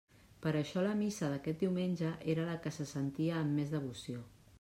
Per això la missa d'aquest diumenge era la que se sentia amb més devoció.